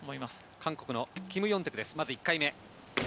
韓国のキム・ヨンテク、１回目です。